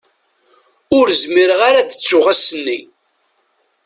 Ur zmireɣ ara ad ttuɣ ass-nni.